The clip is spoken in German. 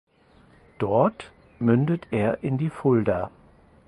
Dort mündet er in die Fulda.